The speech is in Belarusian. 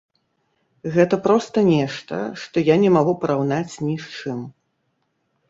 Гэта проста нешта, што я не магу параўнаць ні з чым!